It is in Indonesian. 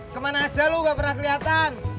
kemana aja lu gak pernah keliatan